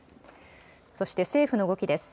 そして政府の動きです。